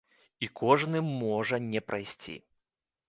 І кожны можа не прайсці.